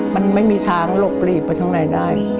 มันไม่มีทางหลบหลีบไปดู้ไหนได้